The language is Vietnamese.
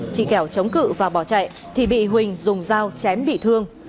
chị kẻo chống cự và bỏ chạy thì bị huỳnh dùng dao chém bị thương